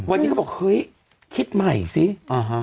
วันนี้เขาบอกเฮ้ยคิดใหม่สิฮะ